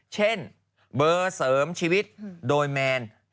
เช่นเบอร์เสริมชีวิตโดยแมน